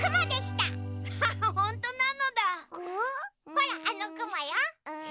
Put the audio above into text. ほらあのくもよ。